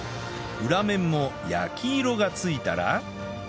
裏面も焼き色が付いたら